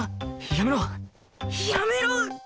やめろやめろ！